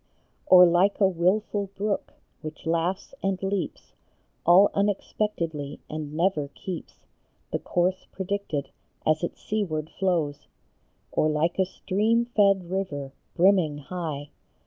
Or like a wilful brook, which laughs and leaps All unexpectedly, and never keeps The course predicted, as it seaward flows ? Or like a stream fed river, brimming high?